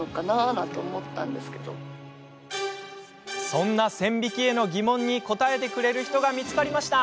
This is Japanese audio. そんな線引きへの疑問に答えてくれる人が見つかりました。